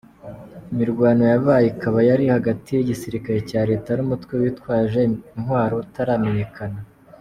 Imirwano yabaye ikaba yari hagati y’igisirikare cya Leta n’umutwe witwaje intwaro utaramenyekana.